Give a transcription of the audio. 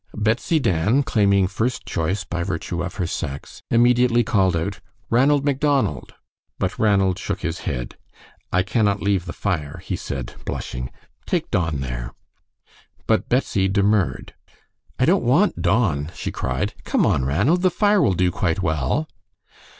Betsy Dan, claiming first choice by virtue of her sex, immediately called out, "Ranald Macdonald." But Ranald shook his head. "I cannot leave the fire," he said, blushing; "take Don there." But Betsy demurred. "I don't want Don," she cried. "Come on, Ranald; the fire will do quite well."